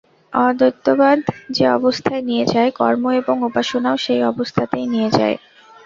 অদ্বৈতবাদ যে-অবস্থায় নিয়ে যায়, কর্ম এবং উপাসনাও সেই অবস্থাতেই নিয়ে যায়।